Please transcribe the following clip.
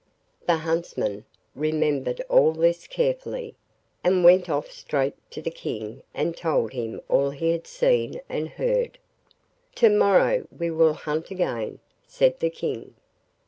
The huntsman remembered all this carefully, and went off straight to the King and told him all he had seen and heard. 'To morrow we will hunt again,' said the King.